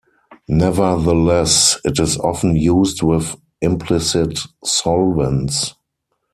Nevertheless, it is often used with implicit solvents.